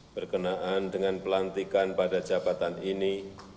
berkenaan dengan pelantikan pada jabatan ini